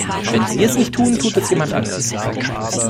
Wenn Sie es nicht tun, tut es jemand anders.